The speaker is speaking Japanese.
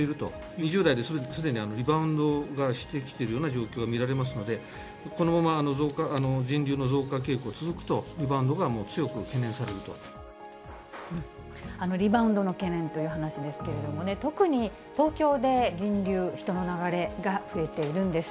２０代はすでにリバウンドがしてきているような状況が見られますので、このまま人流の増加傾向が続くと、リバウンドがもう強く懸リバウンドの懸念という話ですけれども、特に東京で人流、人の流れが増えているんです。